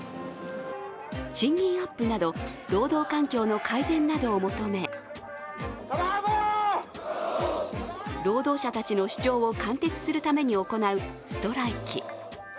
賃金アップなど労働環境の改善などを求め労働者たちの主張を貫徹するために行うストライキ。